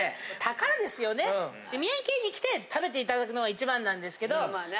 宮城県に来て食べていただくのが一番なんですけどね。